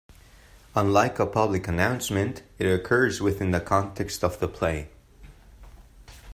Unlike a public announcement, it occurs within the context of the play.